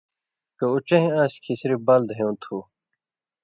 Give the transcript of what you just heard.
کَہ اُو ڇین٘ھ آن٘سیۡ کھِیں صِرف بال دَھیٶں تھُو۔